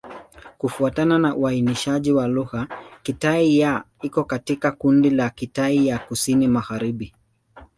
Kufuatana na uainishaji wa lugha, Kitai-Ya iko katika kundi la Kitai ya Kusini-Magharibi.